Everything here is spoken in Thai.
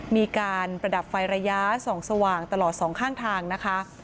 มีการประดับไฟระยะส่องสว่างตลอดสองข้างทางนะคะ